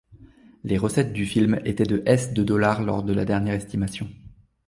Les recettes du film étaient de s de dollars lors de la dernière estimation.